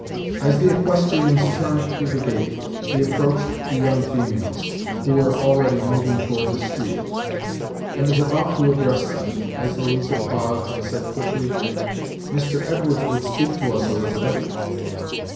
As the equestrians turned through the gate, he approached the young females, who were already moving toward the street, and was about to address them, as Louisa paused, and said quickly: "Mr. Edwards would speak to us, Elizabeth."